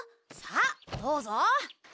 さあどうぞ！